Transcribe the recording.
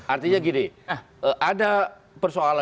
artinya gini ada persoalan